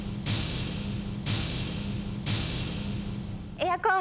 エアコン。